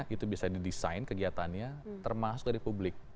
itu bisa didesain kegiatannya termasuk dari publik